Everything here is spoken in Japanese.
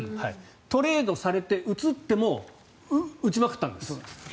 トレードされて移っても打ちまくったんです。